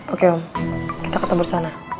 oke om kita ketemu sana